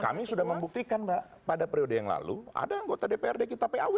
kami sudah membuktikan mbak pada periode yang lalu ada anggota dprd kita paw